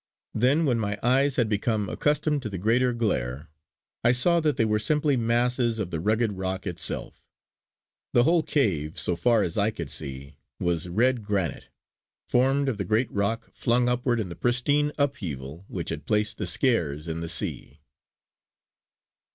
Then, when my eyes had become accustomed to the greater glare, I saw that they were simply masses of the rugged rock itself. The whole cave, so far as I could see, was red granite, formed of the great rock flung upward in the pristine upheaval which had placed the Skares in the sea.